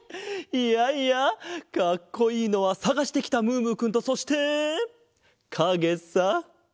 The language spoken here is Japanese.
いやいやかっこいいのはさがしてきたムームーくんとそしてかげさ。